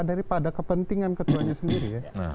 daripada kepentingan ketuanya sendiri